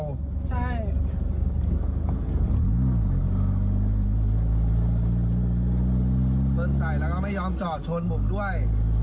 ใส่แล้วก็ไม่ยอมจอดชนผมด้วย